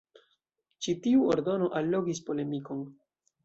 Ĉi tiu ordono allogis polemikon.